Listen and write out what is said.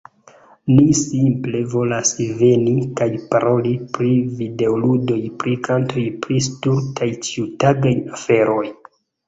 Ni simple volas veni, kaj paroli pri videoludoj, pri kantoj, pri stultaj ĉiutagaj aferoj.